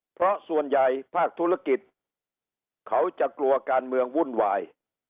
เพราะส่วนใหญ่ภาคธุรกิจเขาจะกลัวการเมืองวุ่นวาย